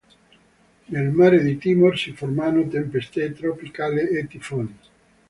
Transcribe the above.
Nel mare di Timor si formano tempeste tropicali e tifoni.